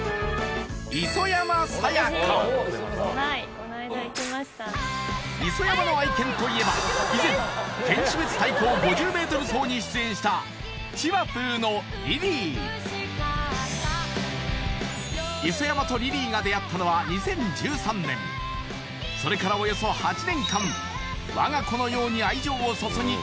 この人に磯山の愛犬といえば以前犬種別対抗５０ｍ走に出演したチワプーのリリー磯山とリリーが出会ったのは２０１３年それからおよそ８年間我が子のように愛情を注ぎ